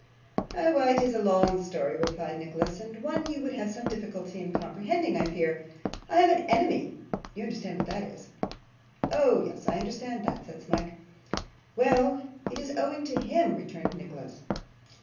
'Why, it is a long story,' replied Nicholas, 'and one you would have some difficulty in comprehending, I fear. I have an enemy you understand what that is?' 'Oh, yes, I understand that,' said Smike. 'Well, it is owing to him,' returned Nicholas.